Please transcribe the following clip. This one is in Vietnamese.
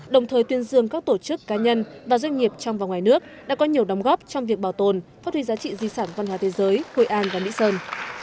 đồng thời tuyên dương các tổ chức cá nhân và doanh nghiệp trong và ngoài nước đã có nhiều đóng góp trong việc bảo tồn phát huy giá trị di sản văn hóa thế giới hội an và mỹ sơn